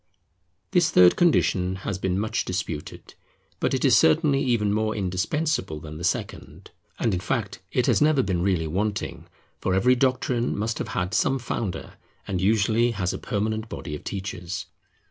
This third condition has been much disputed; but it is certainly even more indispensable than the second. And in fact it has never been really wanting, for every doctrine must have had some founder, and usually has a permanent body of teachers.